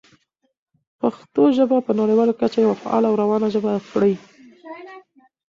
پښتو ژبه په نړیواله کچه یوه فعاله او روانه ژبه کړئ.